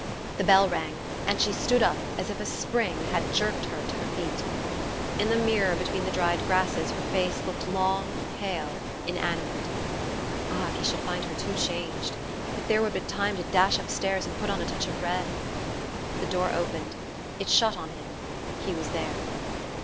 The bell rang, and she stood up as if a spring had jerked her to her feet. In the mirror between the dried grasses her face looked long pale inanimate. Ah, if he should find her too changed ! If there were but time to dash upstairs and put on a touch of red.... The door opened; it shut on him; he was there.